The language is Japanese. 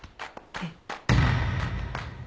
えっ？